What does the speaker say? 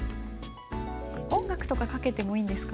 音楽とかかけてもいいんですか？